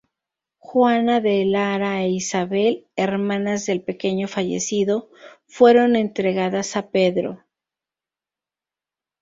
Juana de Lara e Isabel, hermanas del pequeño fallecido, fueron entregadas a Pedro.